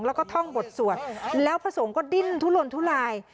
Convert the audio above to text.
แล้วก็ท่องบทสวดแล้วพระสงฆ์ก็ดิ้นทุลนทุลาย